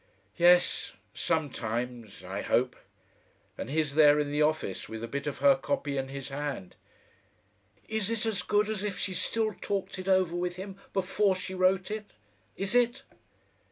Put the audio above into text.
"Yes. Sometimes I hope. And he's there in the office with a bit of her copy in his hand." "Is it as good as if she still talked it over with him before she wrote it? Is it?"